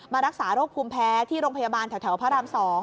รักษาโรคภูมิแพ้ที่โรงพยาบาลแถวพระราม๒